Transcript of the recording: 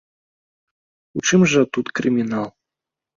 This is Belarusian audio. У чым жа тут крымінал?